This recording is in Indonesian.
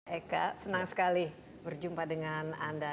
eka senang sekali berjumpa dengan anda